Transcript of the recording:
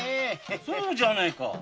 そうじゃねぇか。